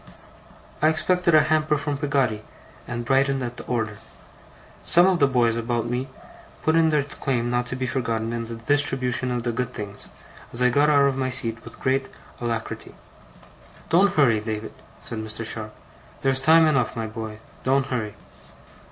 I expected a hamper from Peggotty, and brightened at the order. Some of the boys about me put in their claim not to be forgotten in the distribution of the good things, as I got out of my seat with great alacrity. 'Don't hurry, David,' said Mr. Sharp. 'There's time enough, my boy, don't hurry.